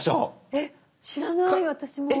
えっ知らない私も。